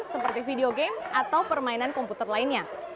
seperti video game atau permainan komputer lainnya